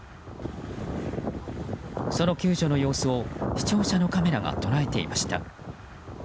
その救助の様子を視聴者のカメラが捉えていました。